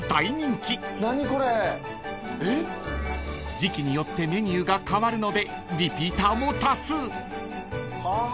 ［時期によってメニューが変わるのでリピーターも多数］